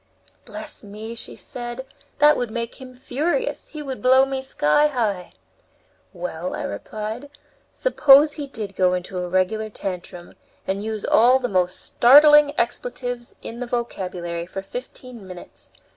"Bless me!" she said, "that would make him furious; he would blow me sky high." "Well," I replied, "suppose he did go into a regular tantrum and use all the most startling expletives in the vocabulary for fifteen minutes!